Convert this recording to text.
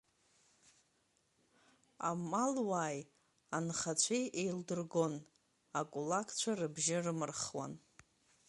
Амалуааи анхацәеи еилдыргон, акәылакцәа рыбжьы рымырхуан.